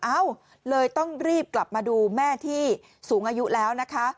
เอ้าเลยต้องรีบกลับมาดูแม่ที่สูงอายุแล้วนะคะ